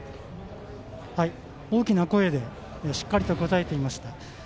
大きな声でしっかりと答えていました。